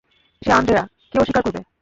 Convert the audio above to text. সে Andrea, কে অস্বীকার করবে?